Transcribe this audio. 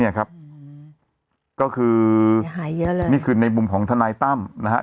นี่ครับก็คือนี่คือในบุมของทนายตั้มนะครับ